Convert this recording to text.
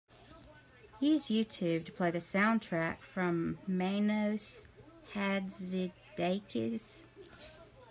Use Youtube to play the soundtrack from Manos Hadzidakis.